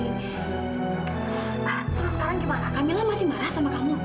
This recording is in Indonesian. nah terus sekarang gimana kamila masih marah sama kamu